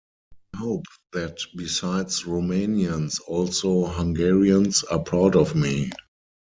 I hope that besides Romanians also Hungarians are proud of me.